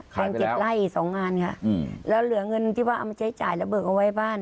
ขายไปแล้วเป็นเจ็ดไร่สองอ่านค่ะอืมแล้วเหลือเงินที่ว่าเอามาใช้จ่ายระเบิกเอาไว้บ้าน